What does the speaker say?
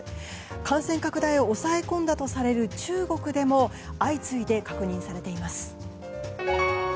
感染拡大を抑え込んだとされる中国でも相次いで確認されています。